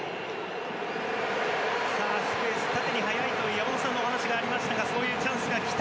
さあ、スペース縦に速いという山本さんの話ありましたがそういうチャンスがきた。